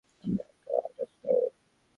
আমি একজন ডাক্তার।